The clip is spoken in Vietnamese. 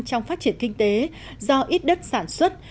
trong phát triển kinh tế do ít đất sản xuất